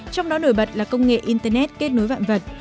trong đó nổi bật là công nghệ internet kết nối vạn vật